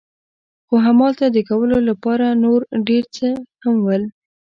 خو همالته د کولو لپاره نور ډېر څه هم ول.